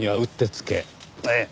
ええ。